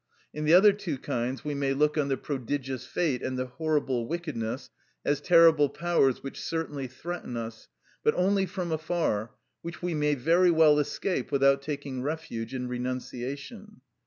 In the other two kinds we may look on the prodigious fate and the horrible wickedness as terrible powers which certainly threaten us, but only from afar, which we may very well escape without taking refuge in renunciation.